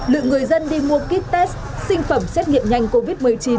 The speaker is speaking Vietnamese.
lượng người dân đi mua kit test sinh phẩm xét nghiệm nhanh covid một mươi chín